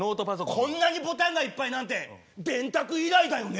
こんなにボタンがいっぱいなんて電卓以来だよね！